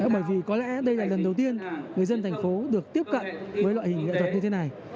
bởi vì có lẽ đây là lần đầu tiên người dân thành phố được tiếp cận với loại hình nghệ thuật như thế này